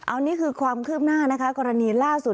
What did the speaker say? อันนี้คือความคืบหน้านะคะกรณีล่าสุด